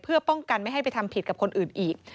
เพื่อป้องกันไม่ให้ไปทำผิดกับคนอื่นอีก